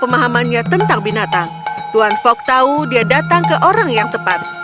pemahamannya tentang binatang tuan fok tahu dia datang ke orang yang tepat